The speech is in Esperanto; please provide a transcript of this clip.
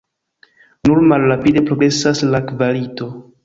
Nur malrapide progresas la kvalito.